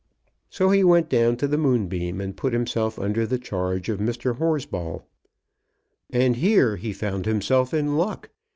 So he went down to the Moonbeam, and put himself under the charge of Mr. Horsball. And here he found himself in luck.